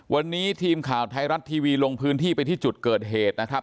วันนี้ทีมข่าวไทยรัฐทีวีลงพื้นที่ไปที่จุดเกิดเหตุนะครับ